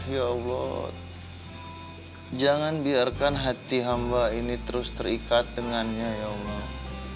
ya allah jangan biarkan hati hamba ini terus terikat dengannya ya allah